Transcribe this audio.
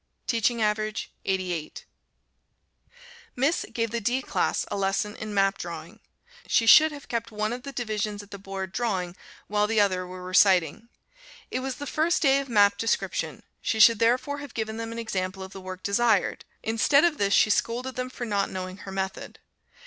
Teaching average 88. Miss gave the D class a lesson in Map Drawing. She should have kept one of the divisions at the board drawing while the other were reciting. It was the first day of map description, she should therefore have given them an example of the work desired; instead of this she scolded them for not knowing her method.